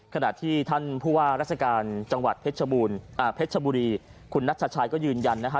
ขณะที่ท่านผู้ว่าราชการจังหวัดเพชรชบุรีคุณนัชชัยก็ยืนยันนะฮะ